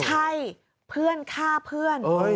ใช่เพื่อนฆ่าเพื่อน